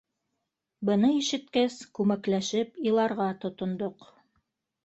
Быны ишеткәс, күмәкләшеп иларға тотондоҡ.